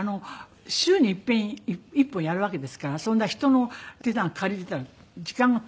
週にいっぺん１本やるわけですからそんな人の手なんか借りていたら時間を取っちゃう。